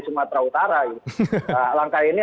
sumatera utara langkah ini